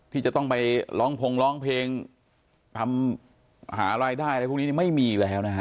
ที่จะต้องไปร้องพงร้องเพลงทำหารายได้อะไรพวกนี้ไม่มีแล้วนะฮะ